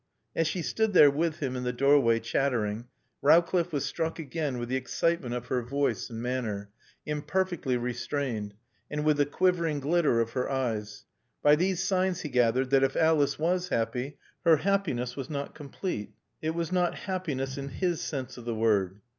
As she stood there with him in the doorway, chattering, Rowcliffe was struck again with the excitement of her voice and manner, imperfectly restrained, and with the quivering glitter of her eyes. By these signs he gathered that if Alice was happy her happiness was not complete. It was not happiness in his sense of the word.